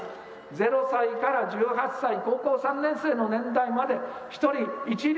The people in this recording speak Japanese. ０歳から１８歳、高校３年生の年代まで１人一律